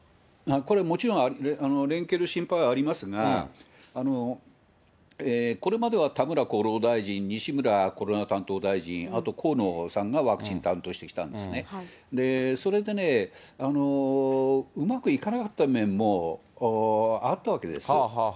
これもちろん、連携の心配はありますが、これまでは田村厚労大臣、西村コロナ担当大臣、あと河野さんがワクチン担当してきたんですね。それでね、うまくいかなかった面もあったわけです。